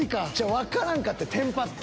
わからんかってんテンパって。